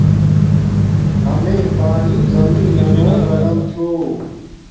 امیے پانی زمین نانو گاڈم چھوم